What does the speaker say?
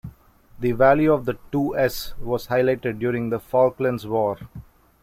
The value of the two s was highlighted during the Falklands War.